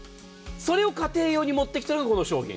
それを家庭用に持ってきたのがこの商品。